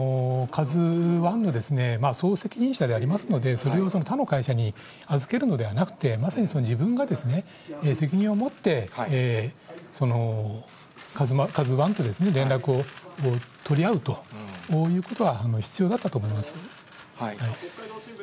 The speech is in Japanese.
カズワンの総責任者でありますので、それを他の会社に預けるのではなくて、まさに自分が責任をもって、カズワンと連絡を取り合うということは必要だったと思います。